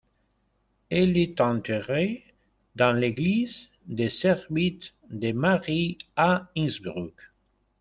Elle est enterrée dans l'église des Servites de Marie à Innsbruck.